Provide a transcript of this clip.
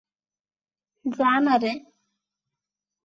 যা না রে।